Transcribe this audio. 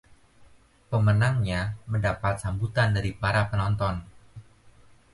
Pemenangnya mendapat sambutan dari para penonton.